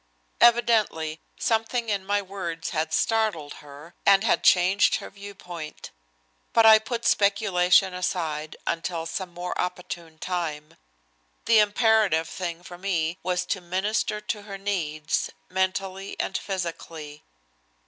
Evidently something in my words had startled her and had changed her viewpoint. But I put speculation aside until some more opportune time. The imperative thing for me was to minister to her needs, mentally and physically.